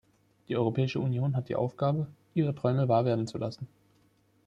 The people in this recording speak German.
Die Europäische Union hat die Aufgabe, ihre Träume wahr werden zu lassen.